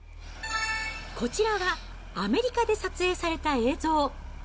こちらはアメリカで撮影された映像。